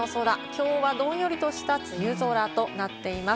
きょうはどんよりとした梅雨空となっています。